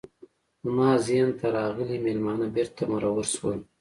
زما ذهن ته راغلي میلمانه بیرته مرور شول.